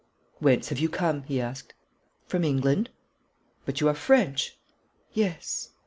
'Whence have you come?' he asked. 'From England.' 'But you are French?' 'Yes.'